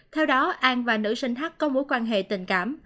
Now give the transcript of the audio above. theo đó an và nữ sinh hc có mối quan hệ tình cảm